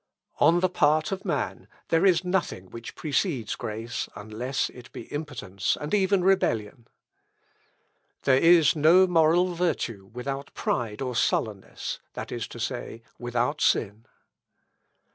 "On the part of man, there is nothing which precedes grace, unless it be impotence and even rebellion. "There is no moral virtue without pride or sullenness, that is to say, without sin.